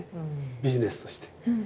ビジネスとして。